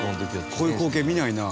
こういう光景見ないな。